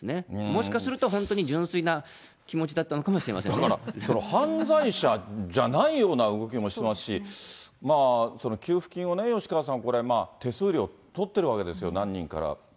もしかすると本当に純粋な気持ちだから、犯罪者じゃないような動きもしてますし、給付金を、吉川さん、手数料取ってるわけですよ、何人かから。